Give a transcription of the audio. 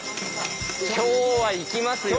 今日はいきますよ